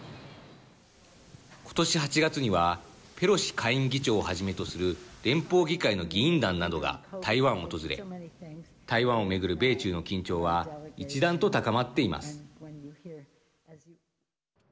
今年８月にはペロシ下院議長をはじめとする連邦議会の議員団などが台湾を訪れ台湾を巡る米中の緊張は一段と高まっています。